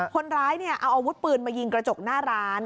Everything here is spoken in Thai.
คนร้ายเอาอาวุธปืนมายิงกระจกหน้าร้าน